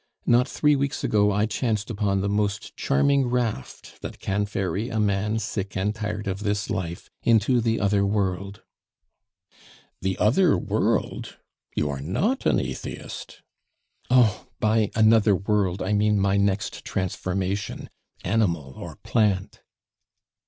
Not three weeks ago I chanced upon the most charming raft that can ferry a man sick and tired of this life into the other world " "The other world? You are not an atheist." "Oh! by another world I mean my next transformation, animal or plant."